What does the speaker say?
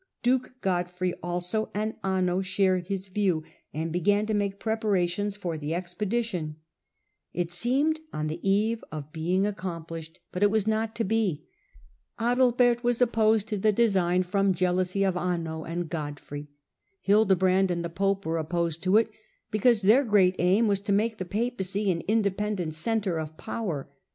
Duke Godfrey, also, and Anno shared his view, and began to make preparations for the expe dition. It seemed on the eve of being accomplished ; Digitized by VjOOQIC The Minority of Henry IV. 69 % it was not to be. Adalbert was opposed to the de ■ ^n, from jealousy of Anno and Godfrey ; Hildebrand ud the pope were opposed to it because their great aim was to make the Papacy an independent centre of power.